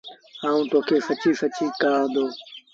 آئوٚنٚ تو کي سچيٚݩ سچيٚݩ ڪهآندو